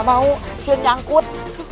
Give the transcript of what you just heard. mabahu siang jangkut